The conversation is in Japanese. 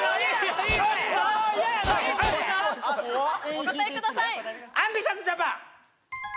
お答えください！